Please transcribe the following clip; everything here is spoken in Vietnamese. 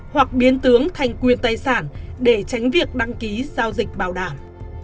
hoặc biến tướng thành quyền tài sản để tránh việc đăng ký giao dịch bảo đảm